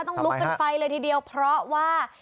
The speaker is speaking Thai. ต้องลุกกันไปเลยทีเดียวเพราะว่า